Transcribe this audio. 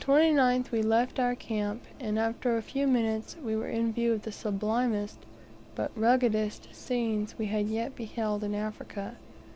On the 29th we left our camp, and after a few minutes, we were in view of the sublimest, but ruggedest, scenes we had yet beheld in Africa.